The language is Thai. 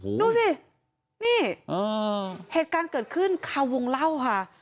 โอ้โหนูสินี่อ่าเหตุการณ์เกิดขึ้นเขาวงเหล้าค่ะ